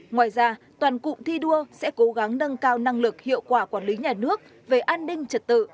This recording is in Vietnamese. ngoài ra toàn cụm thi đua sẽ cố gắng nâng cao năng lực hiệu quả quản lý nhà nước về an ninh trật tự